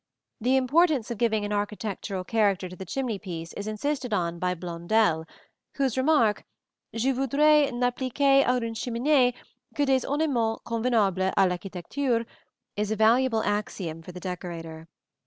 The importance of giving an architectural character to the chimney piece is insisted on by Blondel, whose remark, "Je voudrais n'appliquer à une cheminée que des ornements convenables à l'architecture," is a valuable axiom for the decorator.